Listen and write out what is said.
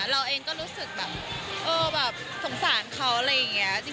เราเองก็รู้สึกสงสารเขาอะไรอย่างนี้